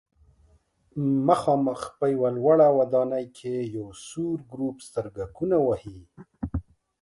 مخامخ په یوه لوړه ودانۍ کې یو سور ګروپ سترګکونه وهي.